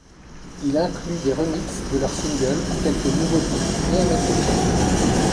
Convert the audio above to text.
Il inclut des remixes de leurs singles, quelques nouveaux titres et un medley.